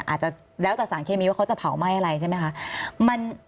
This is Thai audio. อาจจะแล้วแต่สารเคมีว่าเขาจะเผาไหม้อะไรใช่ไหมคะ